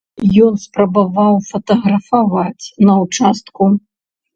Ён спрабаваў фатаграфаваць на ўчастку.